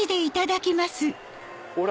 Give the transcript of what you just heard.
ほら！